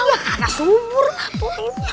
ya kakak sumur lah pokoknya